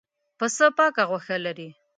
پسه پاکه غوښه لري.